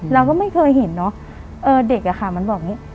เราก็ไม่เคยเห็นเนอะเด็กอะค่ะมันบอกอย่างนี้